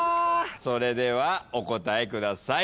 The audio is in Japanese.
それではお答えください。